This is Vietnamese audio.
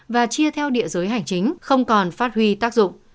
và chia theo địa giới hành chính không còn phát huy tác dụng